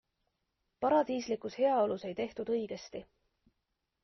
Paradiislikus heaolus ei tehtud õigesti.